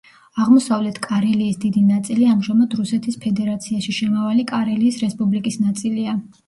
აღმოსავლეთ კარელიის დიდი ნაწილი ამჟამად რუსეთის ფედერაციაში შემავალი კარელიის რესპუბლიკის ნაწილია.